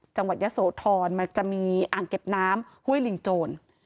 จังหวัดยะโสธรมันจะมีอ่างเก็บน้ำห้วยลิงโจร